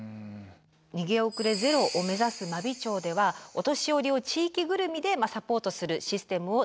逃げ遅れゼロを目指す真備町ではお年寄りを地域ぐるみでサポートするシステムを作ろうとしています。